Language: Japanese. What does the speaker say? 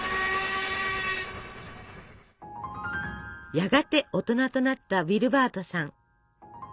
やがて大人となったウィルバートさん。